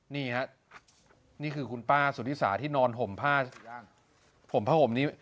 นี่ฮะนี่คือคุณป้าสุธิสาที่นอนห่มผ้าห่มผ้าห่มนี้